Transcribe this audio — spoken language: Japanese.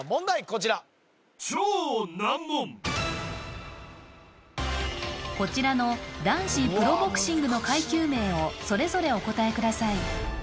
こちらこちらの男子プロボクシングの階級名をそれぞれお答えください